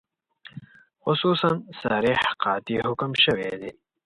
خصوصاً صریح قاطع حکم شوی دی.